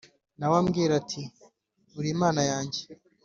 na we ambwire ati «Uri Imana yanjye!»